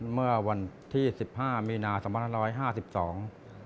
เมื่อวันที่๑๕มีนาศรรภัณฑ์๑๕๒